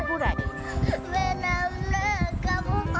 หรือ